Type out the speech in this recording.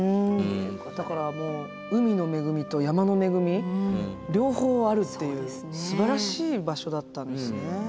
だからもう海の恵みと山の恵み両方あるっていうすばらしい場所だったんですね。